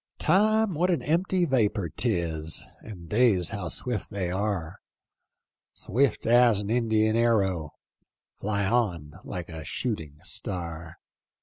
" Time, what an empty vapor 'tis. And days how swi£t they are : Swift as an Indian arrow — Fly on lilie a shooting star.